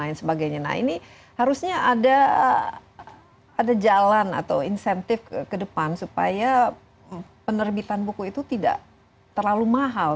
nah ini harusnya ada jalan atau insentif ke depan supaya penerbitan buku itu tidak terlalu mahal